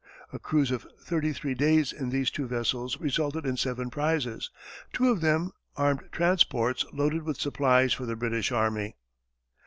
A cruise of thirty three days in these two vessels resulted in seven prizes, two of them armed transports loaded with supplies for the British army.